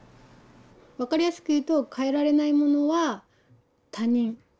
分かりやすく言うと変えられないものは他人。